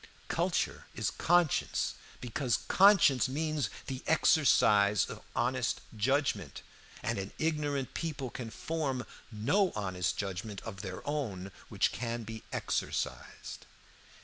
Culture is conscience, because conscience means the exercise of honest judgment, and an ignorant people can form no honest judgment of their own which can be exercised.